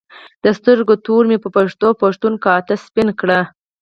د سترګو تور مې په پښتو پښتون کاته سپین کړي